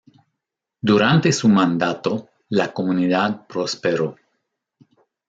Durante su mandato la comunidad prosperó.